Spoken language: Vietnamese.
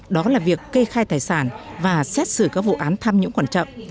đó là việc cây khai tài sản và xét xử các vụ án tham nhũng quan trọng